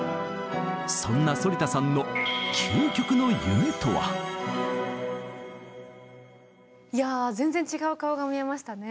そんな反田さんのいや全然違う顔が見えましたね。